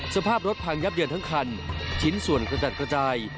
สภาพรถพังยับเยินทั้งคันชิ้นส่วนกระจัดกระจาย